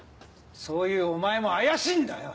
そういうお前も怪しいんだよ！